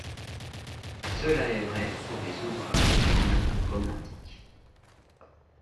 Cela est vrai pour les ouvrages les moins « romantiques ».